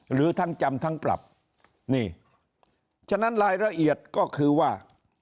หรือทั้งจำทั้งปรับนี่ฉะนั้นรายละเอียดก็คือว่า